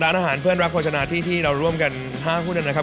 ร้านอาหารเพื่อนรักโภชนาที่ที่เราร่วมกัน๕หุ้นนะครับ